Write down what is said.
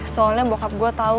soalnya bokap gue tau